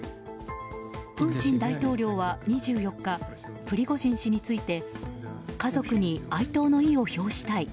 プーチン大統領は２４日プリゴジン氏について家族に哀悼の意を表したい。